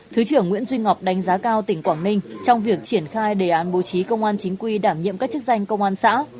thứ trưởng nguyễn duy ngọc đánh giá cao tỉnh quảng ninh trong việc triển khai đề án bố trí công an chính quy đảm nhiệm các chức danh công an xã